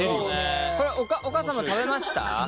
これお母さんも食べました？